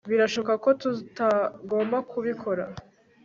birashoboka ko tutagomba kubikora